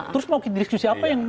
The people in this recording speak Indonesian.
terus mau ke diskusi apa yang